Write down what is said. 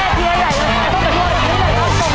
มันก็ประมาณอย่างนี้